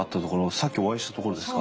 さっきお会いした所ですか？